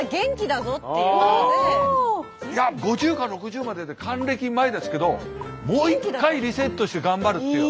いや５０か６０までで還暦前ですけどもう一回リセットして頑張るっていう。